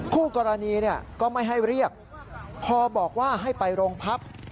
คู่กรณีก็ไม่ให้เรียกพอบอกว่าให้ไปโรงพัก